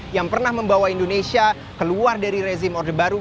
yang pernah membawa indonesia keluar dari rezim orde baru